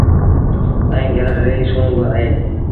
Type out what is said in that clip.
ائيٚݩ گھر ريٚ سُون با اهي۔